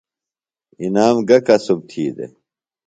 انعام گہ کسُب تھی دےۡ؟